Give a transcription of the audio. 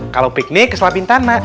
kalau piknik keselapin tanah